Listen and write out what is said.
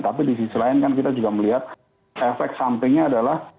tapi di sisi lain kan kita juga melihat efek sampingnya adalah